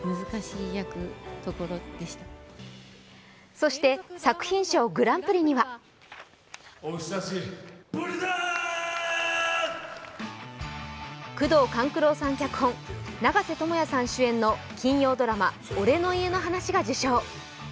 そして作品賞グランプリには宮藤官九郎さん脚本、長瀬智也さん主演の金曜ドラマ「俺の家の話」が受賞。